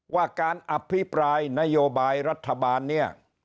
ว่าการอภิปรายนโยบายรัฐบาลเนี่ย